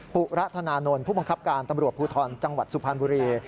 ุระธนานนท์ผู้บังคับการตำรวจภูทรจังหวัดสุพรรณบุรี